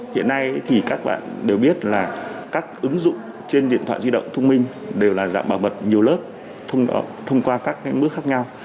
hiện nay thì các bạn đều biết là các ứng dụng trên điện thoại di động thông minh đều là dạng bảo mật nhiều lớp thông qua các mức khác nhau